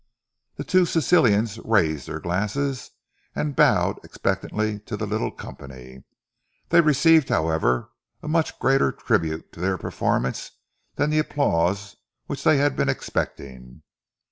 The two Sicilians raised their glasses and bowed expectantly to the little company. They received, however, a much greater tribute to their performance than the applause which they had been expecting.